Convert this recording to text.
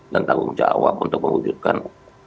dan tanggung jawab untuk mewujudkan